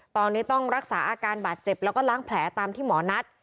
ตอนนี้ต้องรักษาอาการบาดเจ็บแล้วก็ล้างแผลตามที่หมอนัด